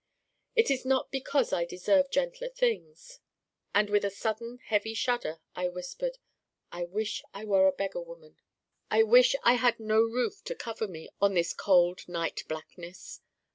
It is not because I deserve gentler things ' And with a sudden heavy shudder I whispered, 'I wish I were a beggar woman! I wish I had no roof to cover me in this cold night blackness.